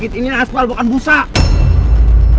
ini asfal bukan busa